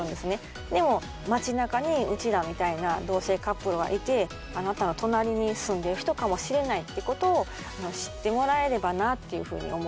でも街なかにうちらみたいな同性カップルはいてあなたの隣に住んでる人かもしれないってことを知ってもらえればなっていうふうに思います。